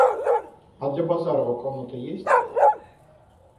А для Базарова комната есть?